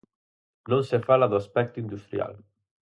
Non se fala do aspecto industrial.